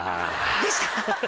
「でした」。